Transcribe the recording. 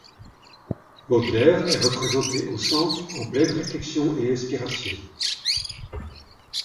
Baudelaire est représenté au centre, en pleine réflexion et inspiration.